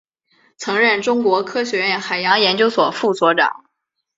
曾任中国科学院海洋研究所副所长。